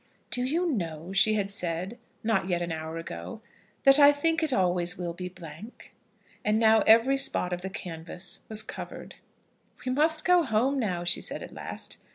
"Do you know," she had said, not yet an hour ago, "that I think it always will be blank." And now every spot of the canvas was covered. "We must go home now," she said at last.